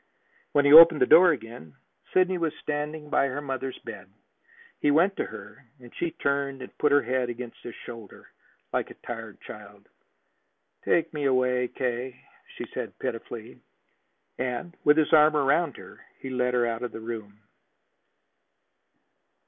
When he opened the door again, Sidney was standing by her mother's bed. He went to her, and she turned and put her head against his shoulder like a tired child. "Take me away, K.," she said pitifully. And, with his arm around her, he led her out of the room.